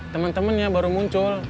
temen temennya baru muncul